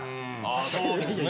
あそうですね。